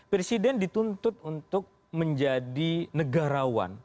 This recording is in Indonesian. presiden dituntut untuk menjadi negarawan